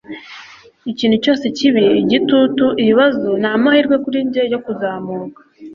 Ikintu cyose kibi - igitutu, ibibazo - ni amahirwe kuri njye yo kuzamuka.